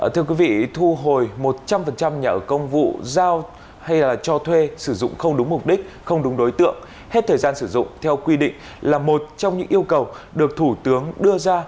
thưa quý vị thu hồi một trăm linh nhà ở công vụ giao hay là cho thuê sử dụng không đúng mục đích không đúng đối tượng hết thời gian sử dụng theo quy định là một trong những yêu cầu được thủ tướng đưa ra